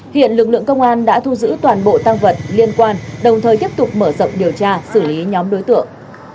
hiện lực lượng công an đã thu giữ toàn bộ tăng vật liên quan đồng thời tiếp tục mở rộng điều tra xử lý nhóm đối tượng